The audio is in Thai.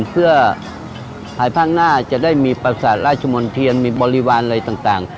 เพื่อภายข้างหน้าจะได้มีประสาทราชมนเทียนมีบริวารอะไรต่าง